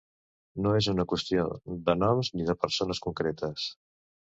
No és una qüestió de noms ni de persones concretes.